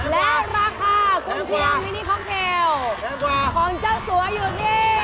และราคากุญเชียงมินิคอกเทลของเจ้าสัวอยู่ที่